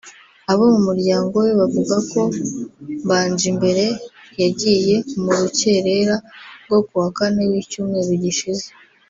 Abo mu muryango we buvuga ko Mbanjimbere yagiye mu rukerera rwo ku wa Kane w’icyumweru gishize